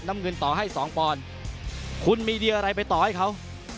น้ำเงินต่อให้สองปอนด์คุณมีเดียอะไรไปต่อให้เขา